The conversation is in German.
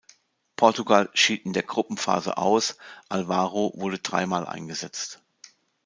Portugal schied in der Gruppenphase aus, Alvaro wurde dreimal eingesetzt.